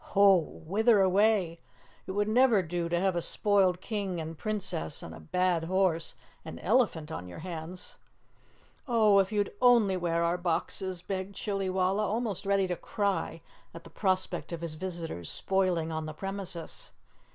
Ho, whither away? It would never do to have a spoiled King and Princess and a bad horse and elephant on your hands." "Oh, if you'd ONLY wear our boxes!" begged Chillywalla, almost ready to cry at the prospect of his visitors spoiling on the premises.